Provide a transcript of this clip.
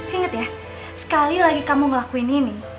ingat ya sekali lagi kamu ngelakuin ini